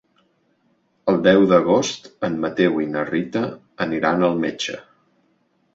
El deu d'agost en Mateu i na Rita aniran al metge.